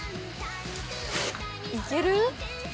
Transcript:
いける？